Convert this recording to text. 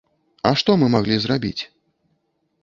А што мы маглі зрабіць?